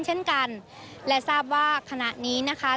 เช่นกันและทราบว่าขณะนี้นะคะ